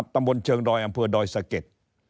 ตำบลเชิงดอยอำเภอดอยสะเก็ด